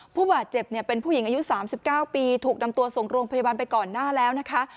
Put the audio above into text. ผู้บาดเจ็บเป็นผู้หญิงอายุ๓๙ปีถูกนำตัวส่งโรงพยาบาลไปก่อนหน้าแล้วนะคะ